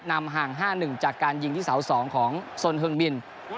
นำห่าง๕๑จากการยิงที่เสา๒ของสนเฮงมิน